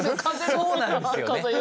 そうなんですよね。